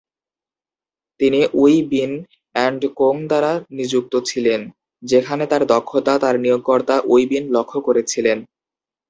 তিনি Wee Bin and Co দ্বারা নিযুক্ত ছিলেন, যেখানে তার দক্ষতা তার নিয়োগকর্তা উই বিন লক্ষ্য করেছিলেন।